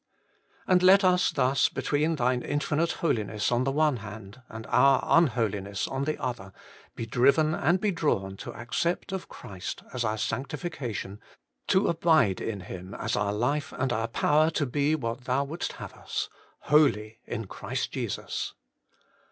And let us thus, between Thine infinite Holiness on the one hand and our unholiness on the other, be driven and be drawn to accept of Christ as our sanctification, to abide in Him as our life and our power to be what Thou wouldst have us ' Holy in Christ Jesus.'